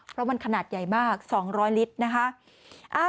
เพราะมันขนาดใหญ่มาก๒๐๐ลิตรนะคะ